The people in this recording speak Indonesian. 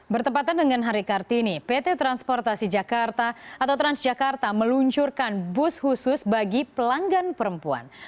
bertempatan dengan hari kartini pt transportasi jakarta atau transjakarta meluncurkan bus khusus bagi pelanggan perempuan